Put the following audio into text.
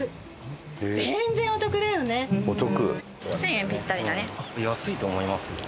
お得。